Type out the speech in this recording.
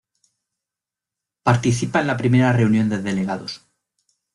Participa en la primera reunión de delegados.